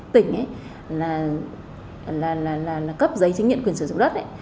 tỉnh ấy là cấp giấy chứng nhận quyền sử dụng đất ấy